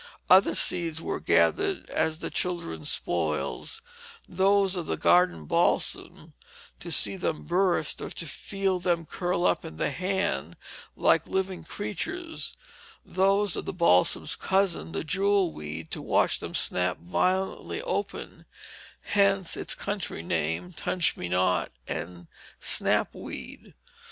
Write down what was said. Other seeds were gathered as the children's spoils: those of the garden balsam, to see them burst, or to feel them curl up in the hand like living creatures; those of the balsam's cousin, the jewelweed, to watch them snap violently open hence its country name of touch me not and snapweed.